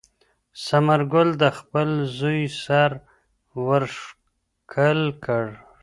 ثمر ګل د خپل زوی سر ور ښکل کړ.